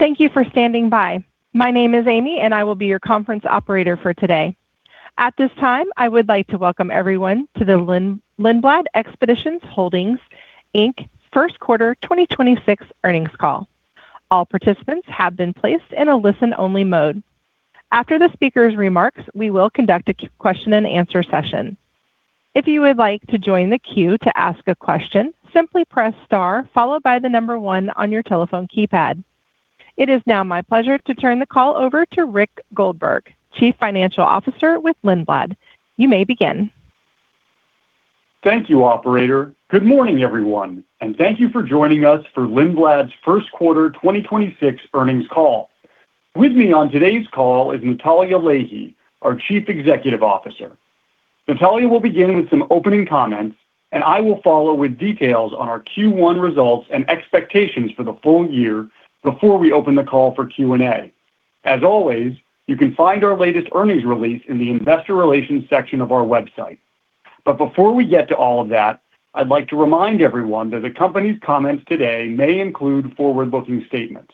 Thank you for standing by. My name is Amy, and I will be your conference operator for today. At this time, I would like to welcome everyone to the Lindblad Expeditions Holdings, Inc First Quarter 2026 Earnings Call. All participants have been placed in a listen-only mode. After the speaker's remarks, we will conduct a question-and-answer session. If you would like to join the queue to ask a question, simply press star followed by one on your telephone keypad. It is now my pleasure to turn the call over to Rick Goldberg, Chief Financial Officer with Lindblad. You may begin. Thank you, operator. Good morning, everyone, and thank you for joining us for Lindblad's first quarter 2026 earnings call. With me on today's call is Natalya Leahy, our Chief Executive Officer. Natalya will begin with some opening comments. I will follow with details on our Q1 results and expectations for the full year before we open the call for Q&A. As always, you can find our latest earnings release in the Investor Relations section of our website. Before we get to all of that, I'd like to remind everyone that the company's comments today may include forward-looking statements.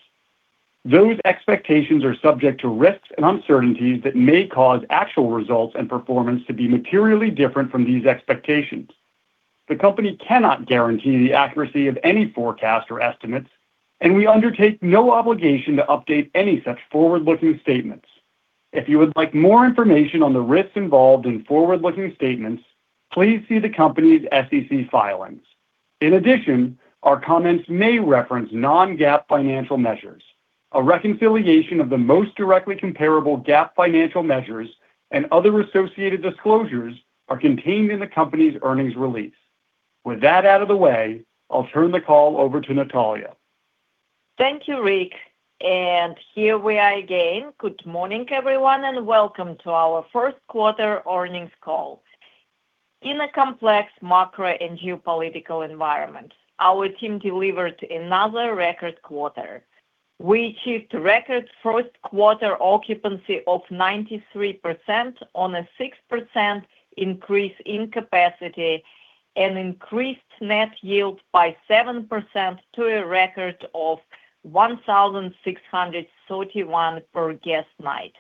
Those expectations are subject to risks and uncertainties that may cause actual results and performance to be materially different from these expectations. The company cannot guarantee the accuracy of any forecast or estimates. We undertake no obligation to update any such forward-looking statements. If you would like more information on the risks involved in forward-looking statements, please see the company's SEC filings. In addition, our comments may reference non-GAAP financial measures. A reconciliation of the most directly comparable GAAP financial measures and other associated disclosures are contained in the company's earnings release. With that out of the way, I'll turn the call over to Natalya. Thank you, Rick. Here we are again. Good morning, everyone, and welcome to our first quarter earnings call. In a complex macro and geopolitical environment, our team delivered another record quarter. We achieved record first quarter occupancy of 93% on a 6% increase in capacity and increased net yield by 7% to a record of $1,631 per available guest night.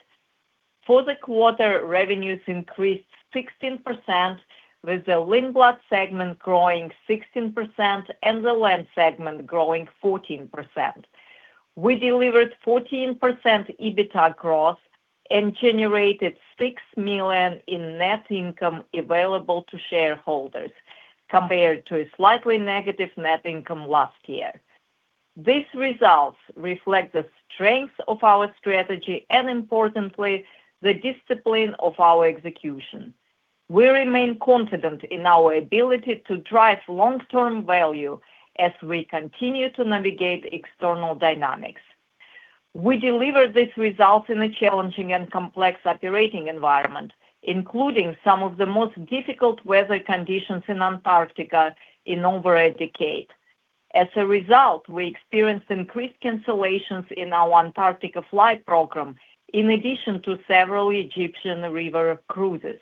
For the quarter, revenues increased 16%, with the Lindblad segment growing 16% and the Land Experiences segment growing 14%. We delivered 14% EBITDA growth and generated $6 million in net income available to shareholders compared to a slightly negative net income last year. These results reflect the strength of our strategy and importantly, the discipline of our execution. We remain confident in our ability to drive long-term value as we continue to navigate external dynamics. We delivered these results in a challenging and complex operating environment, including some of the most difficult weather conditions in Antarctica in over a decade. As a result, we experienced increased cancellations in our Antarctica flight program in addition to several Egyptian river cruises.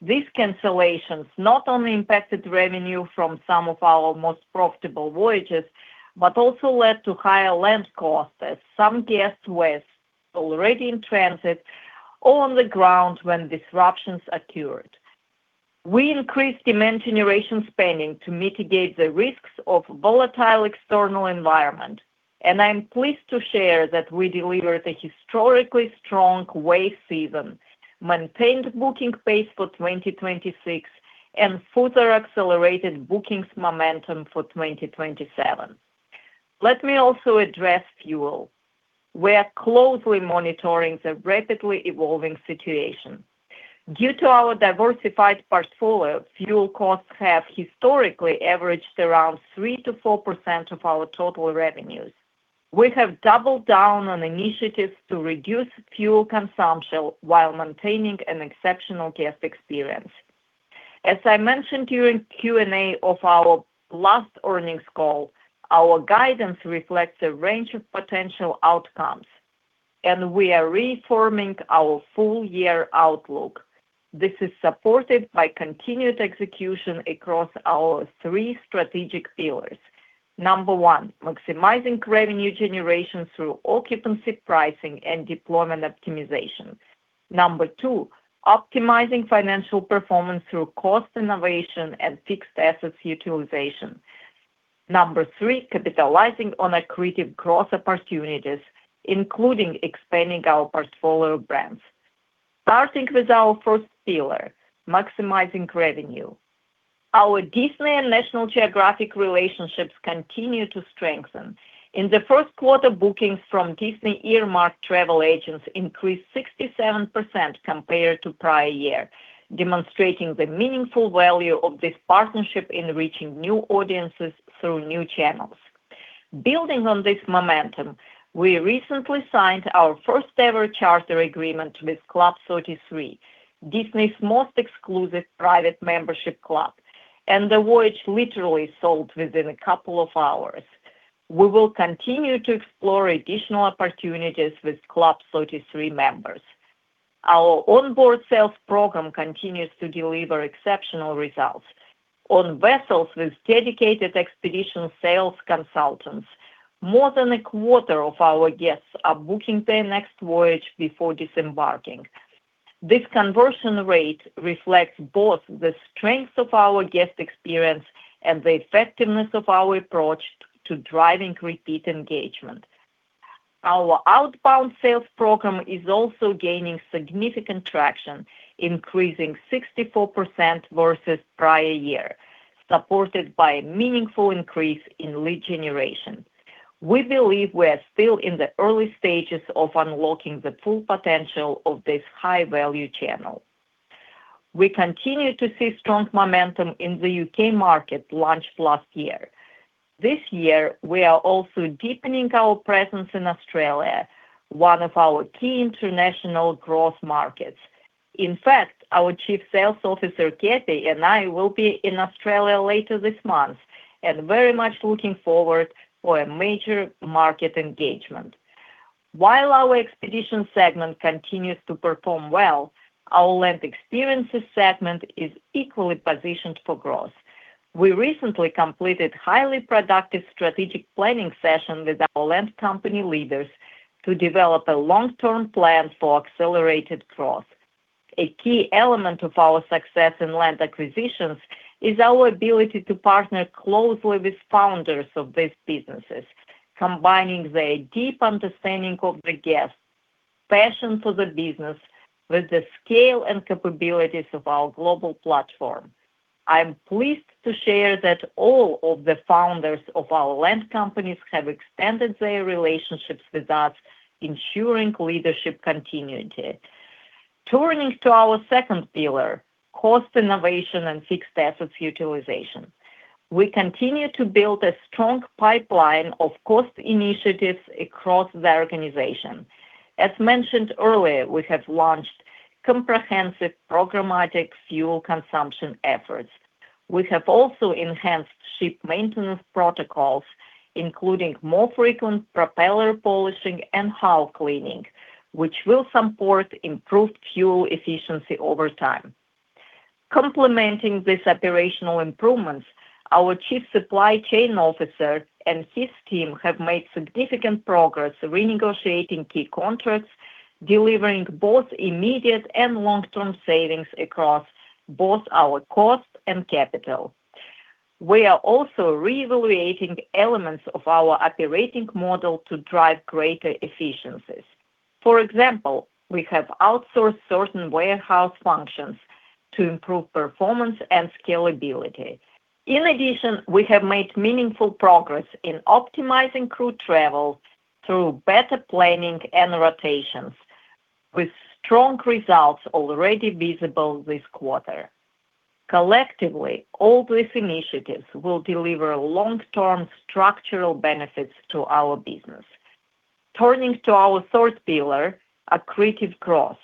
These cancellations not only impacted revenue from some of our most profitable voyages, but also led to higher land costs as some guests were already in transit or on the ground when disruptions occurred. I'm pleased to share that we delivered a historically strong wave season, maintained booking pace for 2026, and further accelerated bookings momentum for 2027. Let me also address fuel. We're closely monitoring the rapidly evolving situation. Due to our diversified portfolio, fuel costs have historically averaged around 3%-4% of our total revenues. We have doubled down on initiatives to reduce fuel consumption while maintaining an exceptional guest experience. As I mentioned during Q&A of our last earnings call, our guidance reflects a range of potential outcomes. We are reforming our full year outlook. This is supported by continued execution across our three strategic pillars. Number one, maximizing revenue generation through occupancy pricing and deployment optimization. Number two, optimizing financial performance through cost innovation and fixed assets utilization. Number three, capitalizing on accretive growth opportunities, including expanding our portfolio brands. Starting with our first pillar, maximizing revenue. Our Disney and National Geographic relationships continue to strengthen. In the first quarter, bookings from Disney EarMarked travel agents increased 67% compared to prior year, demonstrating the meaningful value of this partnership in reaching new audiences through new channels. Building on this momentum, we recently signed our first-ever charter agreement with Club 33, Disney's most exclusive private membership club, and the voyage literally sold within a couple of hours. We will continue to explore additional opportunities with Club 33 members. Our onboard sales program continues to deliver exceptional results. On vessels with dedicated expedition sales consultants, more than a quarter of our guests are booking their next voyage before disembarking. This conversion rate reflects both the strength of our guest experience and the effectiveness of our approach to driving repeat engagement. Our outbound sales program is also gaining significant traction, increasing 64% versus prior year, supported by a meaningful increase in lead generation. We believe we are still in the early stages of unlocking the full potential of this high-value channel. We continue to see strong momentum in the U.K. market launched last year. This year, we are also deepening our presence in Australia, one of our key international growth markets. In fact, our Chief Sales Officer, Kathi, and I will be in Australia later this month and very much looking forward for a major market engagement. While our Lindblad segment continues to perform well, our Land Experiences segment is equally positioned for growth. We recently completed highly productive strategic planning session with our land company leaders to develop a long-term plan for accelerated growth. A key element of our success in land acquisitions is our ability to partner closely with founders of these businesses, combining their deep understanding of the guests, passion for the business with the scale and capabilities of our global platform. I'm pleased to share that all of the founders of our land companies have extended their relationships with us, ensuring leadership continuity. Turning to our second pillar, cost innovation and fixed assets utilization. We continue to build a strong pipeline of cost initiatives across the organization. As mentioned earlier, we have launched comprehensive programmatic fuel consumption efforts. We have also enhanced ship maintenance protocols, including more frequent propeller polishing and hull cleaning, which will support improved fuel efficiency over time. Complementing these operational improvements, our Chief Supply Chain Officer and his team have made significant progress renegotiating key contracts, delivering both immediate and long-term savings across both our cost and capital. We are also reevaluating elements of our operating model to drive greater efficiencies. For example, we have outsourced certain warehouse functions to improve performance and scalability. In addition, we have made meaningful progress in optimizing crew travel through better planning and rotations, with strong results already visible this quarter. Collectively, all these initiatives will deliver long-term structural benefits to our business. Turning to our third pillar, accretive growth.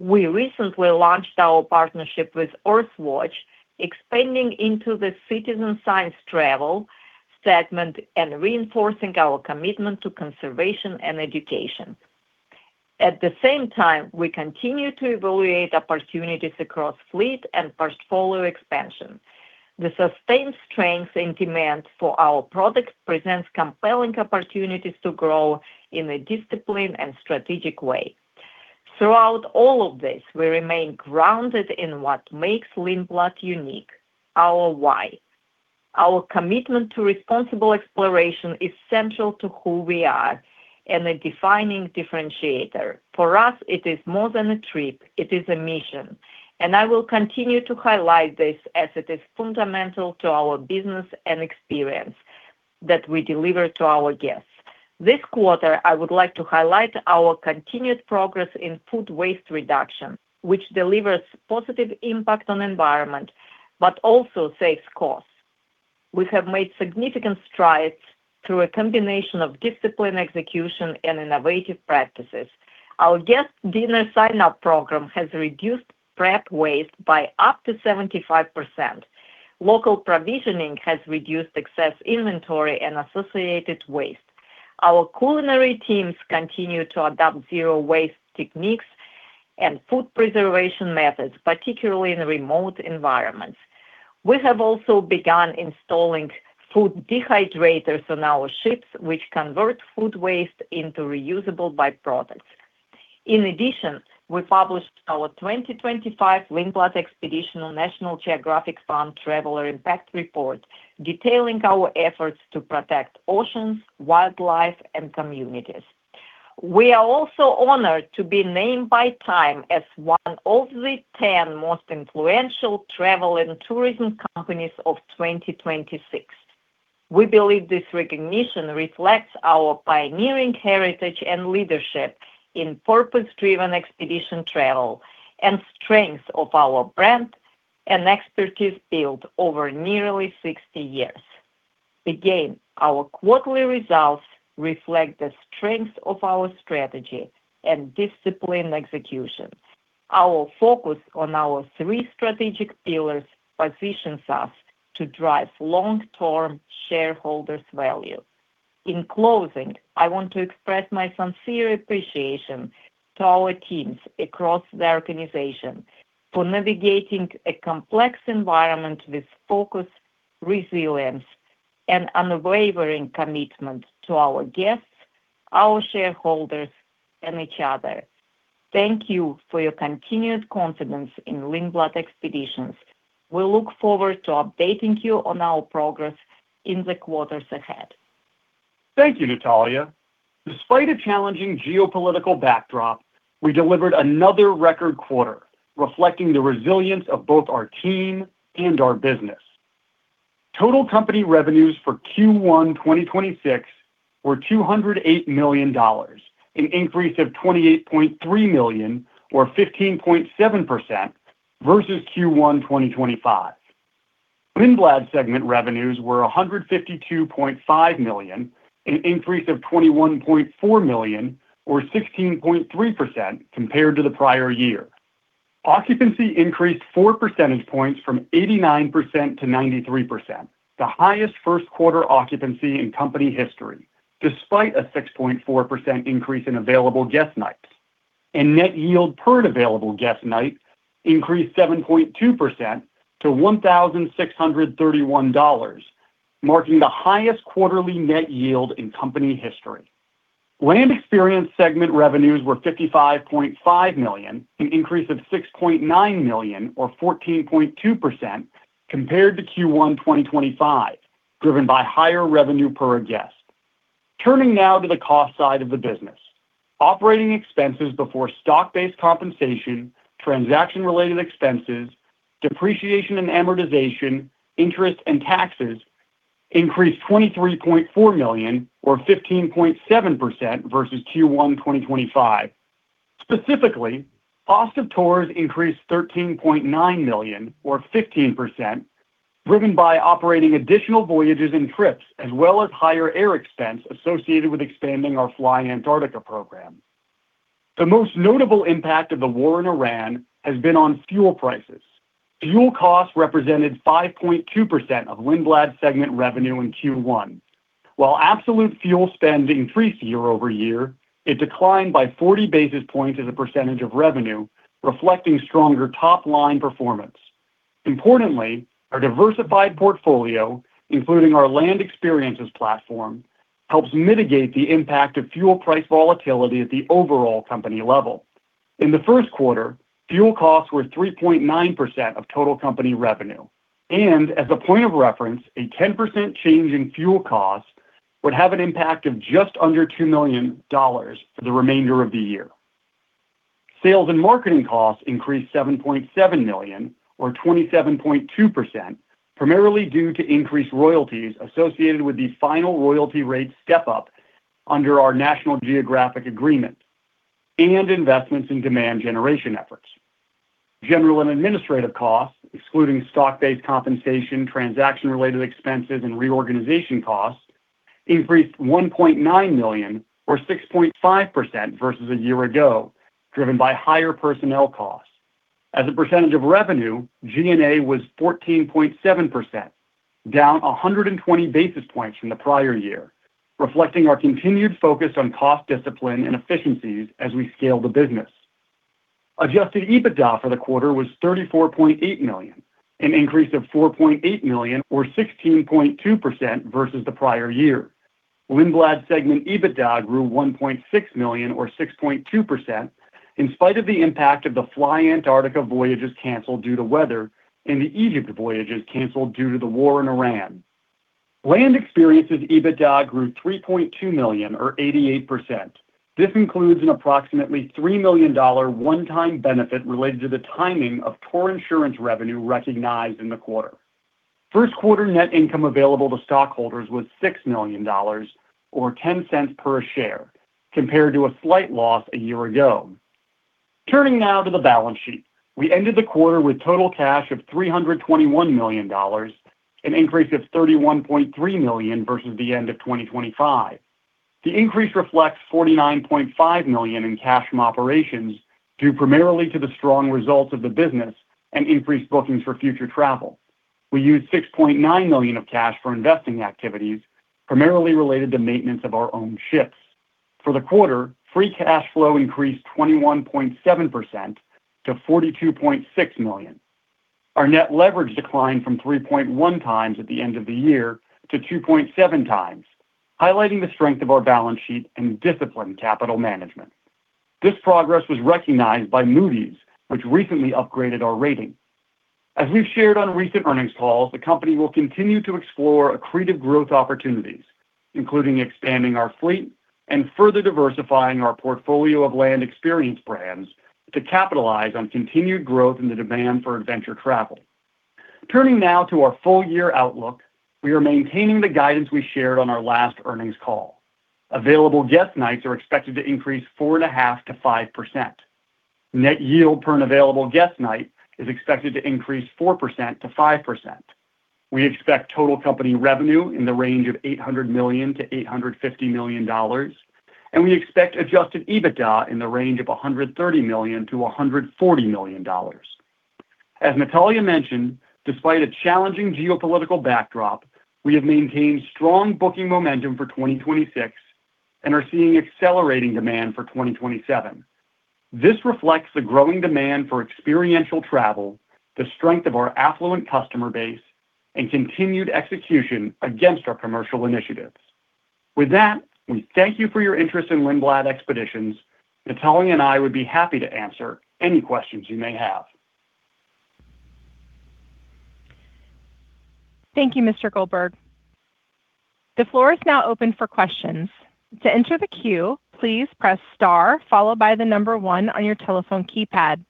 We recently launched our partnership with Earthwatch Institute, expanding into the citizen science travel segment and reinforcing our commitment to conservation and education. At the same time, we continue to evaluate opportunities across fleet and portfolio expansion. The sustained strength and demand for our products presents compelling opportunities to grow in a disciplined and strategic way. Throughout all of this, we remain grounded in what makes Lindblad unique, our why. Our commitment to responsible exploration is central to who we are and a defining differentiator. For us, it is more than a trip, it is a mission. I will continue to highlight this as it is fundamental to our business and experience that we deliver to our guests. This quarter, I would like to highlight our continued progress in food waste reduction, which delivers positive impact on environment, but also saves costs. We have made significant strides through a combination of disciplined execution and innovative practices. Our guest dinner sign-up program has reduced prep waste by up to 75%. Local provisioning has reduced excess inventory and associated waste. Our culinary teams continue to adopt zero waste techniques and food preservation methods, particularly in remote environments. We have also begun installing food dehydrators on our ships, which convert food waste into reusable by-products. In addition, we published our 2025 Lindblad Expeditions-National Geographic Fund Traveler Impact Report, detailing our efforts to protect oceans, wildlife, and communities. We are also honored to be named by TIME as one of the 10 most influential travel and tourism companies of 2026. We believe this recognition reflects our pioneering heritage and leadership in purpose-driven expedition travel and strength of our brand and expertise built over nearly 60 years. Again, our quarterly results reflect the strength of our strategy and disciplined execution. Our focus on our three strategic pillars positions us to drive long-term shareholders' value. In closing, I want to express my sincere appreciation to our teams across the organization for navigating a complex environment with focus, resilience, and unwavering commitment to our guests, our shareholders, and each other. Thank you for your continued confidence in Lindblad Expeditions. We look forward to updating you on our progress in the quarters ahead. Thank you, Natalya. Despite a challenging geopolitical backdrop, we delivered another record quarter, reflecting the resilience of both our team and our business. Total company revenues for Q1 2026 were $208 million, an increase of $28.3 million or 15.7% versus Q1 2025. Lindblad segment revenues were $152.5 million, an increase of $21.4 million or 16.3% compared to the prior year. Occupancy increased 4 percentage points from 89% to 93%, the highest first quarter occupancy in company history, despite a 6.4% increase in available guest nights. Net yield per available guest night increased 7.2% to $1,631, marking the highest quarterly net yield in company history. Land Experiences segment revenues were $55.5 million, an increase of $6.9 million or 14.2% compared to Q1 2025, driven by higher revenue per guest. Turning now to the cost side of the business. Operating expenses before stock-based compensation, transaction-related expenses, depreciation and amortization, interest and taxes increased $23.4 million or 15.7% versus Q1 2025. Specifically, cost of tours increased $13.9 million or 15%, driven by operating additional voyages and trips, as well as higher air expense associated with expanding our Antarctica Direct program. The most notable impact of the war in Iran has been on fuel prices. Fuel costs represented 5.2% of Lindblad segment revenue in Q1. While absolute fuel spend increased year-over-year, it declined by 40 basis points as a percentage of revenue, reflecting stronger top-line performance. Importantly, our diversified portfolio, including our Land Experiences platform, helps mitigate the impact of fuel price volatility at the overall company level. In the first quarter, fuel costs were 3.9% of total company revenue. As a point of reference, a 10% change in fuel costs would have an impact of just under $2 million for the remainder of the year. Sales and marketing costs increased $7.7 million or 27.2%, primarily due to increased royalties associated with the final royalty rate step up under our National Geographic agreement and investments in demand generation efforts. General and administrative costs, excluding stock-based compensation, transaction-related expenses, and reorganization costs, increased $1.9 million or 6.5% versus a year ago, driven by higher personnel costs. As a percentage of revenue, G&A was 14.7%, down 120 basis points from the prior year, reflecting our continued focus on cost discipline and efficiencies as we scale the business. Adjusted EBITDA for the quarter was $34.8 million, an increase of $4.8 million or 16.2% versus the prior year. Lindblad segment EBITDA grew $1.6 million or 6.2% in spite of the impact of the Antarctica Direct voyages canceled due to weather and the Egypt voyages canceled due to the war in Iran. Land Experiences EBITDA grew $3.2 million or 88%. This includes an approximately $3 million one-time benefit related to the timing of tour insurance revenue recognized in the quarter. First quarter net income available to stockholders was $6 million or $0.10 per share, compared to a slight loss a year ago. Turning now to the balance sheet. We ended the quarter with total cash of $321 million, an increase of $31.3 million versus the end of 2025. The increase reflects $49.5 million in cash from operations, due primarily to the strong results of the business and increased bookings for future travel. We used $6.9 million of cash for investing activities, primarily related to maintenance of our own ships. For the quarter, free cash flow increased 21.7% to $42.6 million. Our net leverage declined from 3.1x at the end of the year to 2.7x, highlighting the strength of our balance sheet and disciplined capital management. This progress was recognized by Moody's, which recently upgraded our rating. As we've shared on recent earnings calls, the company will continue to explore accretive growth opportunities, including expanding our fleet and further diversifying our portfolio of Land Experiences brands to capitalize on continued growth in the demand for adventure travel. Turning now to our full-year outlook, we are maintaining the guidance we shared on our last earnings call. Available guest nights are expected to increase 4.5%-5%. Net yield per available guest night is expected to increase 4%-5%. We expect total company revenue in the range of $800 million-$850 million, and we expect Adjusted EBITDA in the range of $130 million-$140 million. Natalya mentioned, despite a challenging geopolitical backdrop, we have maintained strong booking momentum for 2026 and are seeing accelerating demand for 2027. This reflects the growing demand for experiential travel, the strength of our affluent customer base and continued execution against our commercial initiatives. With that, we thank you for your interest in Lindblad Expeditions. Natalya and I would be happy to answer any questions you may have. Thank you, Mr. Goldberg. The floor is now open for questions. To enter the queue, please press star followed by the number one on your telephone keypad.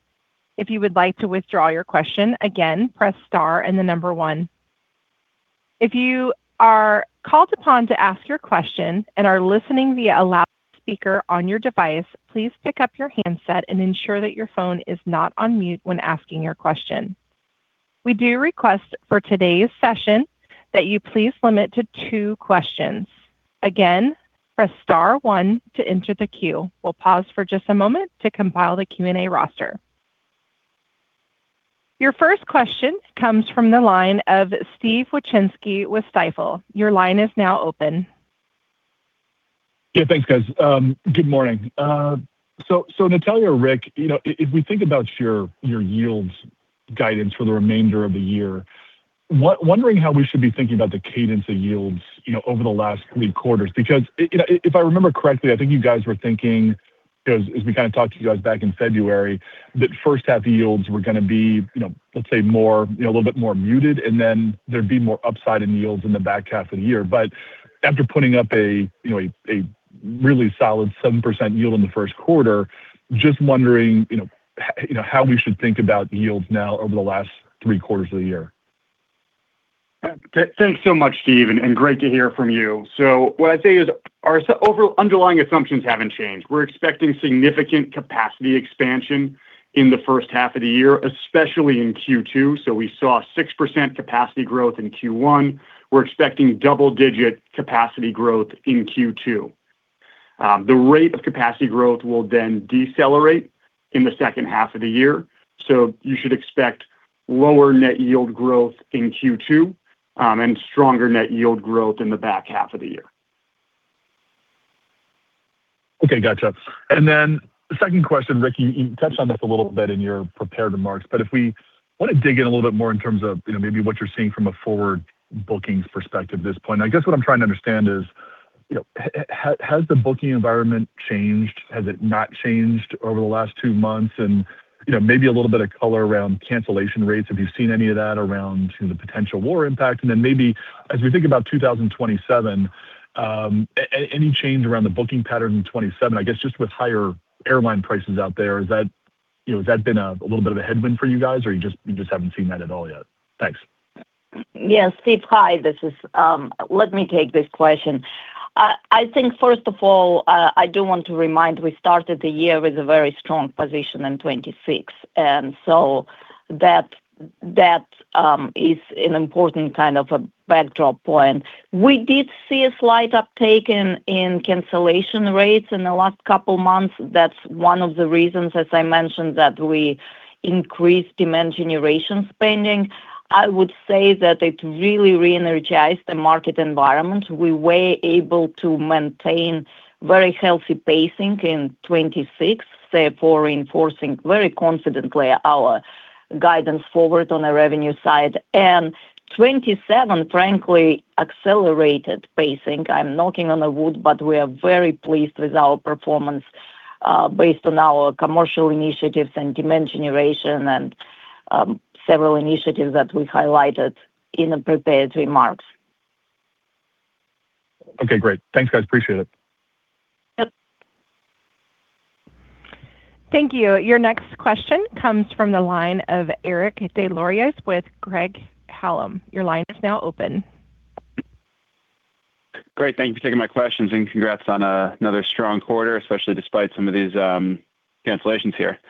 If you would like to withdraw your question, again, press star and the number one. If you are called upon to ask your question and are listening via loudspeaker on your device, please pick up your handset and ensure that your phone is not on mute when asking your question. We do request for today's session that you please limit to two questions. Again, press star one to enter the queue. We'll pause for just a moment to compile the Q&A roster. Your first question comes from the line of Steve Wieczynski with Stifel. Your line is now open. Yeah, thanks, guys. Good morning. Natalya or Rick, you know, if we think about your yields guidance for the remainder of the year, wondering how we should be thinking about the cadence of yields, you know, over the last three quarters. You know, if I remember correctly, I think you guys were thinking, you know, as we kind of talked to you guys back in February, that first half yields were gonna be, you know, let's say more, you know, a little bit more muted, and then there'd be more upside in yields in the back half of the year. After putting up a, you know, a really solid 7% yield in the first quarter, just wondering, you know, how we should think about yields now over the last three quarters of the year. Thanks so much, Steve, and great to hear from you. What I'd say is our underlying assumptions haven't changed. We're expecting significant capacity expansion in the first half of the year, especially in Q2. We saw 6% capacity growth in Q1. We're expecting double-digit capacity growth in Q2. The rate of capacity growth will then decelerate in the second half of the year, you should expect lower net yield growth in Q2, and stronger net yield growth in the back half of the year. Okay, gotcha. The second question, Rick, you touched on this a little bit in your prepared remarks, but if we want to dig in a little bit more in terms of, you know, maybe what you're seeing from a forward bookings perspective at this point. I guess what I'm trying to understand is, you know, has the booking environment changed? Has it not changed over the last two months? You know, maybe a little bit of color around cancellation rates, if you've seen any of that around, you know, the potential war impact. Maybe as we think about 2027, any change around the booking pattern in 2027, I guess just with higher airline prices out there. Is that, you know, has that been a little bit of a headwind for you guys, or you just haven't seen that at all yet? Thanks. Yeah, Steve, hi, this is. Let me take this question. I think first of all, I do want to remind we started the year with a very strong position in 2026, that is an important kind of a backdrop point. We did see a slight uptake in cancellation rates in the last couple months. That's one of the reasons, as I mentioned, that we increased demand generation spending. I would say that it really re-energized the market environment. We were able to maintain very healthy pacing in 2026, therefore reinforcing very confidently our guidance forward on the revenue side. 2027, frankly, accelerated pacing. I'm knocking on the wood, but we are very pleased with our performance, based on our commercial initiatives and demand generation and several initiatives that we highlighted in the prepared remarks. Okay, great. Thanks, guys. Appreciate it. Yep. Thank you. Your next question comes from the line of Eric Des Lauriers with Craig-Hallum. Your line is now open. Great, thank you for taking my questions. Congrats on another strong quarter, especially despite some of these cancellations here.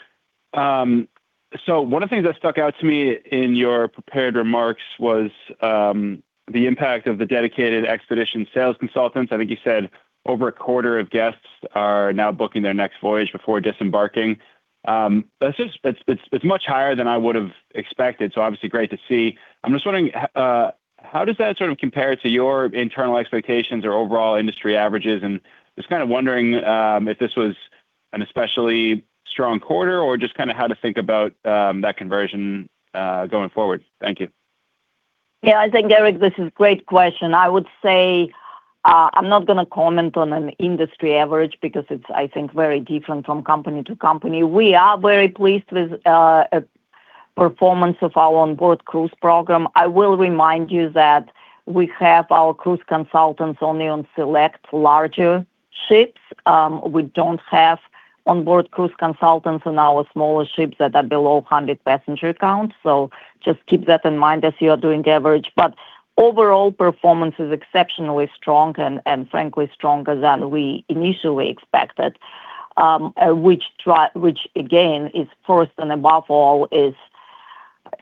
One of the things that stuck out to me in your prepared remarks was the impact of the dedicated expedition sales consultants. I think you said over a quarter of guests are now booking their next voyage before disembarking. That's much higher than I would have expected, so obviously great to see. I'm just wondering how does that sort of compare to your internal expectations or overall industry averages? Just kind of wondering if this was an especially strong quarter or just kind of how to think about that conversion going forward. Thank you. Yeah, I think, Eric, this is great question. I would say, I'm not gonna comment on an industry average because it's, I think, very different from company to company. We are very pleased with performance of our onboard cruise program. I will remind you that we have our cruise consultants only on select larger ships. We don't have onboard cruise consultants on our smaller ships that are below 100 passenger count, so just keep that in mind as you are doing the average. Overall performance is exceptionally strong and frankly stronger than we initially expected, which again is first and above all is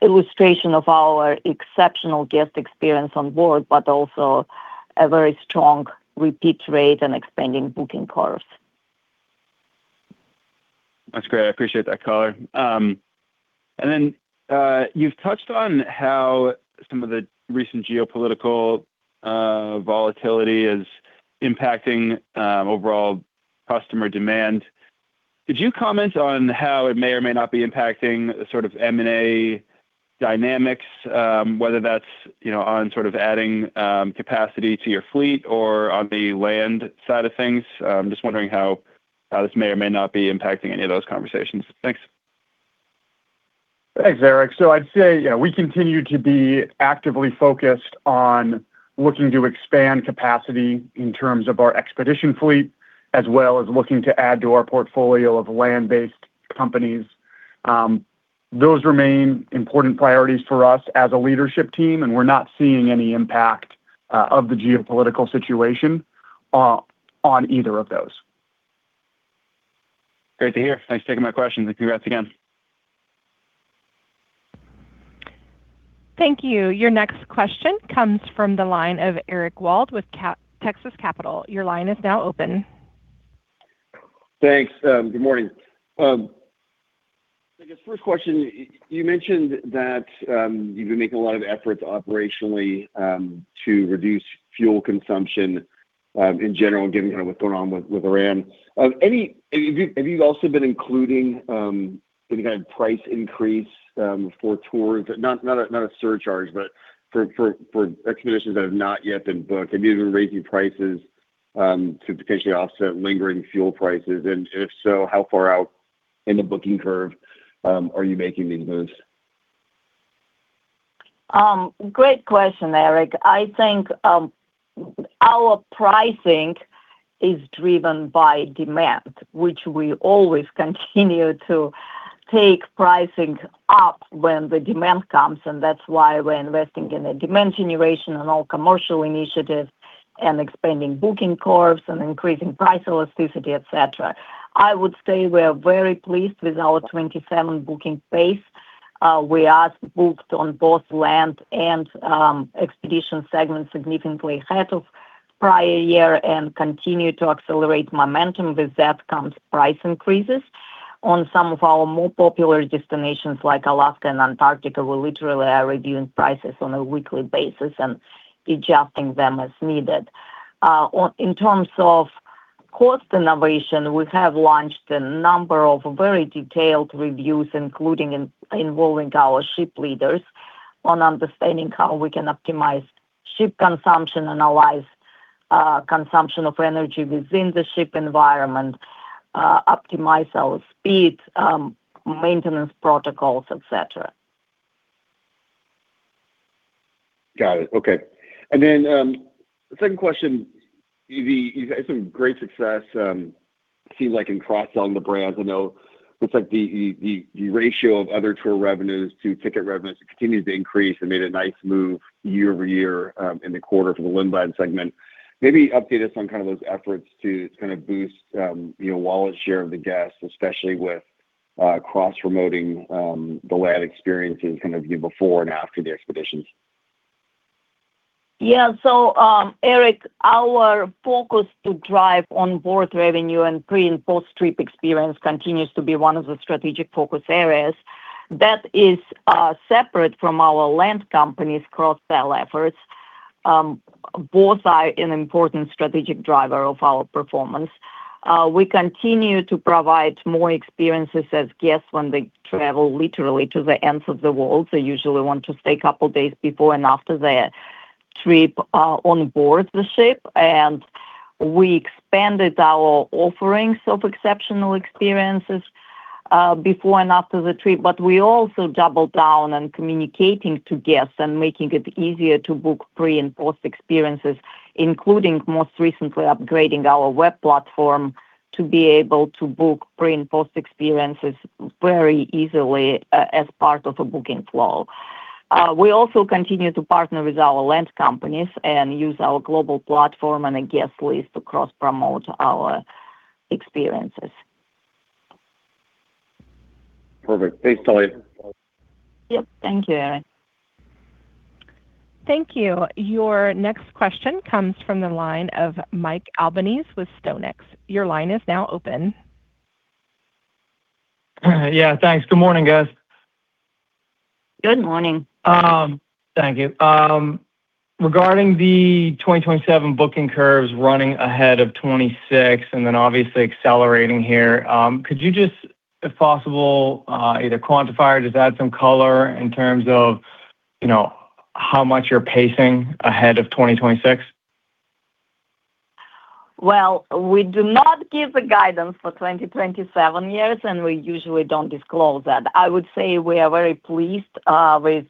illustration of our exceptional guest experience on board, but also a very strong repeat rate and expanding booking course. That's great. I appreciate that color. You've touched on how some of the recent geopolitical volatility is impacting overall customer demand. Could you comment on how it may or may not be impacting the sort of M&A dynamics, whether that's, you know, on sort of adding capacity to your fleet or on the land side of things? Just wondering how this may or may not be impacting any of those conversations. Thanks. Thanks, Eric. I'd say, we continue to be actively focused on looking to expand capacity in terms of our expedition fleet, as well as looking to add to our portfolio of land-based companies. Those remain important priorities for us as a leadership team, and we're not seeing any impact of the geopolitical situation on either of those. Great to hear. Thanks for taking my question. Congrats again. Thank you. Your next question comes from the line of Eric Wold with Texas Capital. Your line is now open. Thanks. Good morning. I guess first question, you mentioned that you've been making a lot of efforts operationally to reduce fuel consumption in general, given kind of what's going on with Iran. Have you also been including any kind of price increase for tours? Not a surcharge, but for expeditions that have not yet been booked. Have you been raising prices to potentially offset lingering fuel prices? If so, how far out in the booking curve are you making these moves? Great question, Eric. I think our pricing is driven by demand, which we always continue to take pricing up when the demand comes, and that's why we're investing in the demand generation and all commercial initiatives and expanding booking curves and increasing price elasticity, et cetera. I would say we're very pleased with our 2027 booking pace. We are booked on both Land Experiences and Lindblad segments significantly ahead of prior year and continue to accelerate momentum. With that comes price increases. On some of our more popular destinations like Alaska and Antarctica, we literally are reviewing prices on a weekly basis and adjusting them as needed. On, in terms of cost innovation, we have launched a number of very detailed reviews, including involving our ship leaders on understanding how we can optimize ship consumption and our live consumption of energy within the ship environment, optimize our speed, maintenance protocols, et cetera. Got it. Okay. Then, the second question, you've had some great success, seems like in cross-selling the brands. I know looks like the ratio of other tour revenues to ticket revenues continues to increase and made a nice move year-over-year in the quarter for the Land Experiences segment. Maybe update us on kind of those efforts to kind of boost, you know, wallet share of the guests, especially with cross-promoting the Land Experiences kind of before and after the expeditions. Yeah. Eric, our focus to drive on board revenue and pre and post-trip experience continues to be one of the strategic focus areas. That is separate from our Land Experiences' cross-sell efforts. Both are an important strategic driver of our performance. We continue to provide more experiences as guests when they travel literally to the ends of the world. They usually want to stay a couple days before and after their trip on board the ship. We expanded our offerings of exceptional experiences before and after the trip, but we also doubled down on communicating to guests and making it easier to book pre and post experiences, including most recently upgrading our web platform to be able to book pre and post experiences very easily as part of a booking flow. We also continue to partner with our land companies and use our global platform and a guest list to cross-promote our experiences. Perfect. Thanks a lot. Yep. Thank you, Eric. Thank you. Your next question comes from the line of Mike Albanese with StoneX. Your line is now open. Yeah. Thanks. Good morning, guys. Good morning. Thank you. Regarding the 2027 booking curves running ahead of 2026 and then obviously accelerating here, could you just, if possible, either quantify or just add some color in terms of, you know, how much you're pacing ahead of 2026? We do not give the guidance for 2027, and we usually don't disclose that. I would say we are very pleased with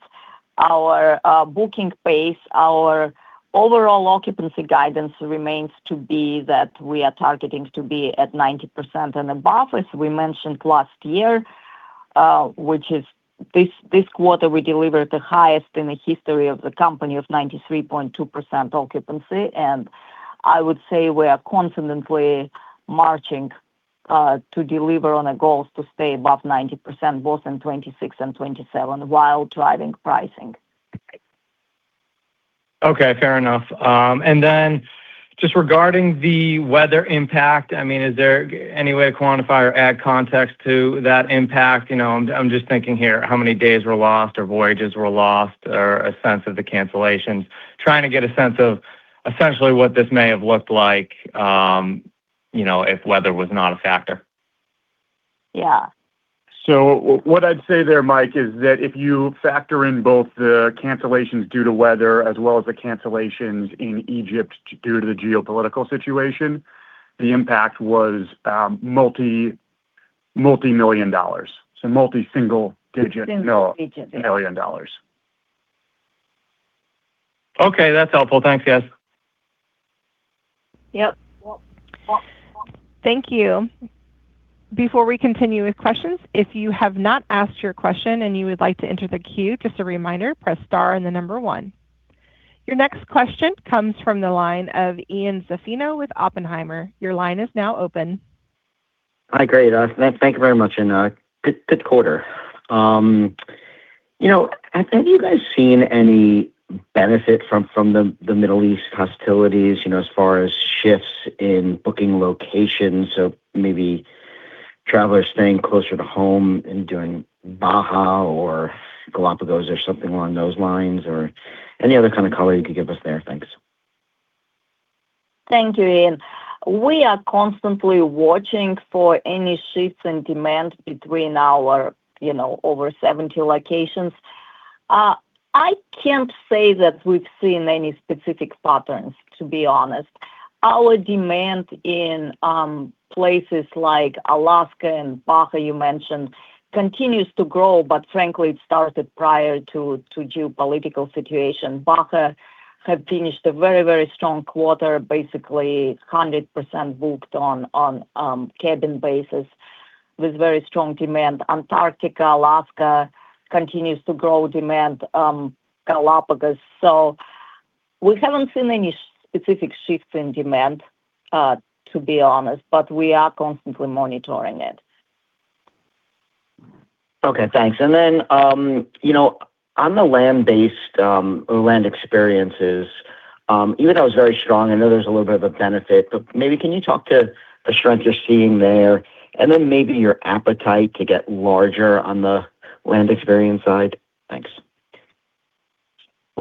our booking pace. Our overall occupancy guidance remains to be that we are targeting to be at 90% and above, as we mentioned last year, which is this quarter we delivered the highest in the history of the company of 93.2% occupancy. I would say we are confidently marching to deliver on a goal to stay above 90% both in 2026 and 2027 while driving pricing. Okay, fair enough. Just regarding the weather impact, is there any way to quantify or add context to that impact? I'm just thinking here, how many days were lost or voyages were lost or a sense of the cancellations. Trying to get a sense of essentially what this may have looked like, if weather was not a factor. Yeah. What I'd say there, Mike, is that if you factor in both the cancellations due to weather as well as the cancellations in Egypt due to the geopolitical situation, the impact was multi-million dollars. Digits. Million dollars. Okay, that's helpful. Thanks, guys. Yep. Thank you. Before we continue with questions, if you have not asked your question and you would like to enter the queue, just a reminder, press star and the number one. Your next question comes from the line of Ian Zaffino with Oppenheimer. Your line is now open. Hi, great. Thank you very much, and good quarter. You know, have any of you guys seen any benefit from the Middle East hostilities, you know, as far as shifts in booking locations? Maybe travelers staying closer to home and doing Baja or Galapagos or something along those lines, or any other kind of color you could give us there. Thanks. Thank you, Ian. We are constantly watching for any shifts in demand between our, you know, over 70 locations. I can't say that we've seen any specific patterns, to be honest. Our demand in places like Alaska and Baja, you mentioned, continues to grow, but frankly it started prior to geopolitical situation. Baja have finished a very, very strong quarter, basically 100% booked on cabin basis with very strong demand. Antarctica, Alaska continues to grow demand, Galapagos. We haven't seen any specific shifts in demand, to be honest, but we are constantly monitoring it. Okay, thanks. Then, you know, on the land-based, or Land Experiences, even though it's very strong, I know there's a little bit of a benefit, but maybe can you talk to the strength you're seeing there, and then maybe your appetite to get larger on the Land Experiences side? Thanks.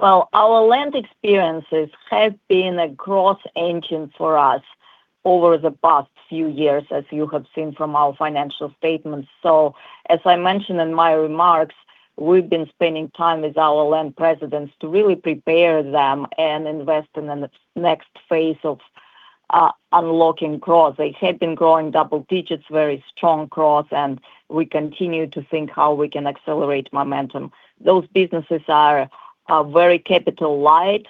Well, our Land Experiences have been a growth engine for us over the past few years, as you have seen from our financial statements. As I mentioned in my remarks, we've been spending time with our land presidents to really prepare them and invest in the next phase of unlocking growth. They have been growing double digits, very strong growth, and we continue to think how we can accelerate momentum. Those businesses are very capital light,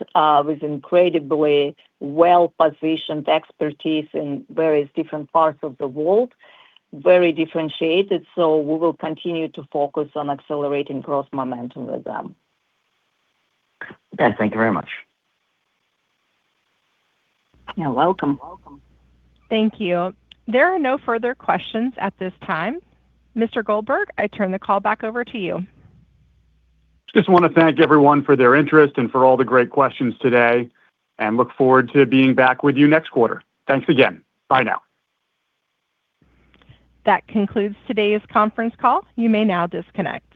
with incredibly well-positioned expertise in various different parts of the world, very differentiated, so we will continue to focus on accelerating growth momentum with them. Okay. Thank you very much. You're welcome. Thank you. There are no further questions at this time. Mr. Goldberg, I turn the call back over to you. Just wanna thank everyone for their interest and for all the great questions today, and look forward to being back with you next quarter. Thanks again. Bye now. That concludes today's conference call. You may now disconnect.